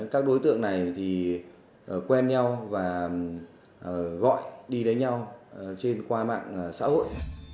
các đối tượng này quen nhau và gọi đi đến nhau qua mạng xã hội